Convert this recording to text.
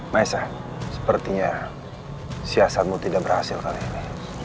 maisa sepertinya siasatmu tidak berhasil kali ini